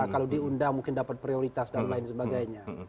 kalau diundang mungkin dapat prioritas dan lain sebagainya